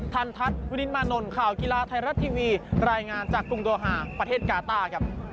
ทันทัศน์วินมานนท์ข่าวกีฬาไทยรัฐทีวีรายงานจากกรุงโดฮาประเทศกาต้าครับ